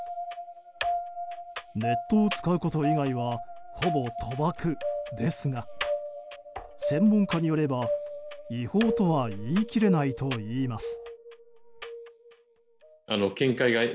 ネットを使うこと以外はほぼ賭博ですが専門家によれば、違法とは言い切れないといいます。